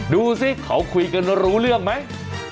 ดูสิเขาคุยกันรู้เรื่องไหม